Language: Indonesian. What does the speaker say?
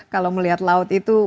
kalau melihat laut itu